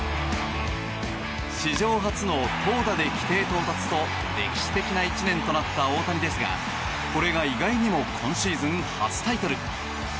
史上初の投打で規定到達と歴史的な１年となった大谷ですがこれが意外にも今シーズン初タイトル。